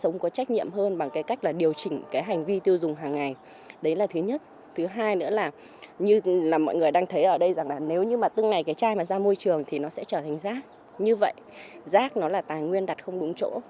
nó là tài nguyên đặt không đúng chỗ